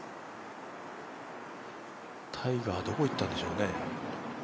タイガーはどこ行ったんでしょうね。